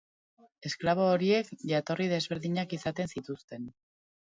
Esklabo horiek jatorri desberdinak izaten zituzten.